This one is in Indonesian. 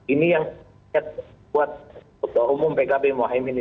ini yang menyebabkan untuk umum pkb mohaimini